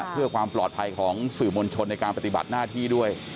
เพื่อความปลอดภัยของสื่อมวลชนในการปฏิบัติหน้าที่ด้วย